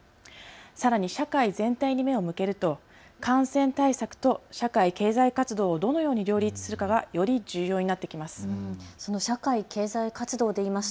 さらに社会全体に目を向けると感染対策と社会経済活動をどのように両立するかがより重要になってきます。